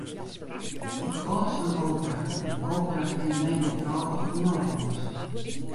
Ik hâld fan opera en opera kin my net drôvich genôch wêze.